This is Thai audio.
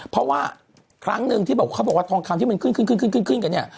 เพราะว่าครั้งนึงที่เขาบอกว่าทองคาวที่มันขึ้นกันเนี่ย